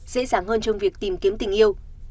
dễ dàng hơn trong việc tìm kiếm tình yêu